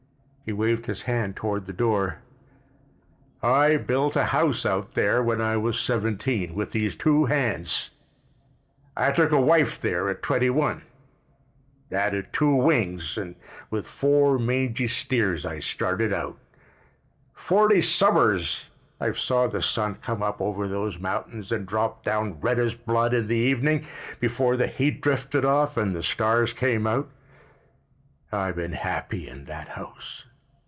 He waved his hand toward the door. "I built a house out there when I was seventeen, with these two hands. I took a wife there at twenty one, added two wings, and with four mangy steers I started out. Forty summers I've saw the sun come up over those mountains and drop down red as blood in the evening, before the heat drifted off and the stars came out. I been happy in that house.